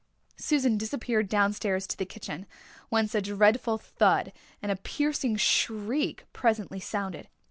Susan disappeared downstairs to the kitchen, whence a dreadful thud and a piercing shriek presently sounded.